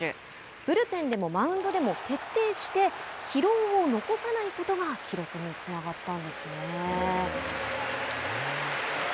ブルペンでもマウンドでも徹底して疲労を残さないことが記録につながったんですね。